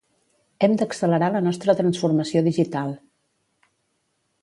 Hem d'accelerar la nostra transformació digital.